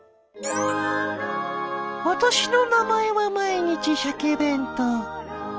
私の名前は「毎日シャケ弁当」。